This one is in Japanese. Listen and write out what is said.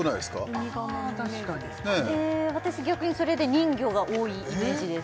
ああ確かに私逆にそれで人魚が多いイメージです